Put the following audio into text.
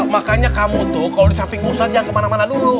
makanya kamu tuh kalau di samping ustadz jangan ke mana mana dulu